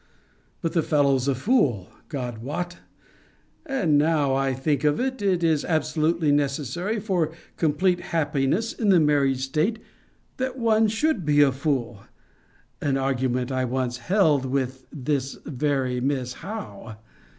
But the fellow's a fool, God wot! And now I think of it, it is absolutely necessary for complete happiness in the married state, that one should be a fool [an argument I once held with this very Miss Howe.